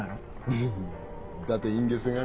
フフだといいんですがね。